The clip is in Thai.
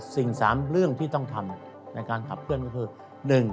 ๓เรื่องที่ต้องทำในการขับเคลื่อนก็คือ